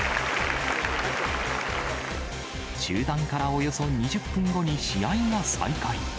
中断からおよそ２０分後に試合が再開。